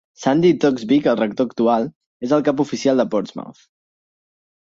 Sandi Toksvig, el rector actual, és el cap oficial de Portsmouth.